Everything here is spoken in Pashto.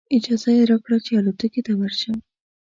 اجازه یې راکړه چې الوتکې ته ورشم.